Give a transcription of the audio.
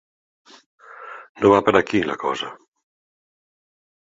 No va per aquí, la cosa.